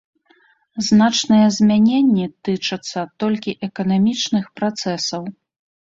Значныя змяненні тычацца толькі эканамічных працэсаў.